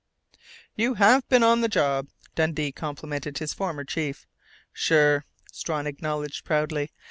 "You have been on the job," Dundee complimented his former chief. "Sure!" Strawn acknowledged proudly.